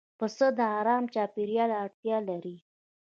پسه د آرام چاپېریال اړتیا لري.